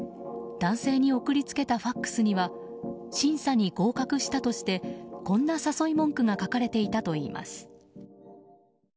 男性に送り付けたＦＡＸには審査に合格したとしてこんな誘い文句が書かれていたといいます。